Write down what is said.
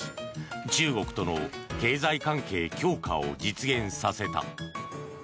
中国との経済関係強化を実現させた。